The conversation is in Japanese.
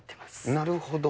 なるほど。